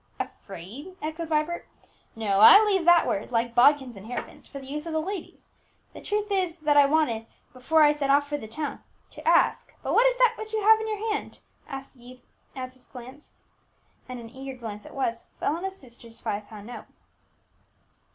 "Afraid!" echoed Vibert. "No; I leave that word, like bodkins and hair pins, for the use of the ladies. The truth is, that I wanted, before I set off for the town, to ask, but what is that which you have in your hand?" asked the youth as his glance, and an eager glance it was, fell on his sister's five pound note.